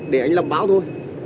để anh làm báo thôi